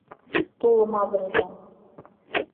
— Тулым авырыза!